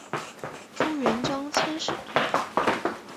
朱元璋遣使通好。